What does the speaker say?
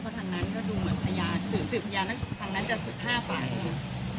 เพราะทางนั้นก็ดูเหมือนพยานสืบพยานทางนั้นจะ๑๕ปากเลย